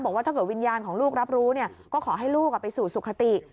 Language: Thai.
บอกว่าถ้าเกิดวิญญาณของลูกรับรู้ก็ขอให้ลูกไปสู่สุขติ